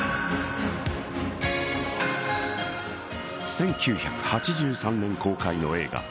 １９８３年公開の映画